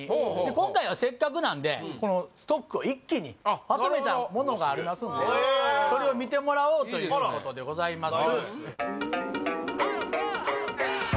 今回はせっかくなんでこのストックを一気にまとめたものがありますんでへえそれを見てもらおうということでございます